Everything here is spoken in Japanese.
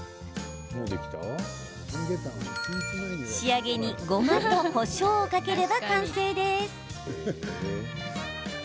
仕上げに、ごまとこしょうをかければ完成です。